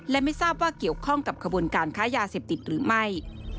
และไม่ทราบว่าเกี่ยวข้องกับขบวนการค้ายาเสพติดหรือไม่